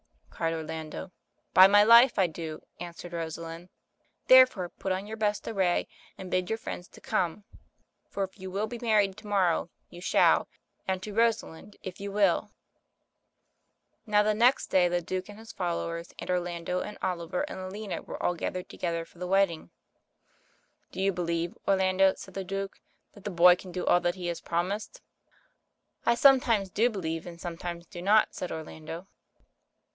cried Orlando. By my life I do," answered Rosalind. "Therefore, put on your best array and bid your friends to come, for if you will be married to morrow, you shall, — and to Rosalind, if you will." eO THE CHILDREN'S SHAKESPEARE. Now the next day the Duke and his followers, and Orlando, and Oliver, and Aliena, were all gathered together for the wedding. Do you believe, Orlando,'' said the Duke, "that the boy can do all that he has promised?" "I sometimes do believe and sometimes do not," said Orlando.